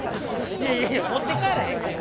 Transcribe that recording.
いやいや持って帰らへんから。